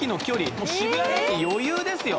もう渋谷まで余裕ですよ。